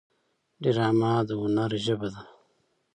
ډرامه د هنر ژبه ده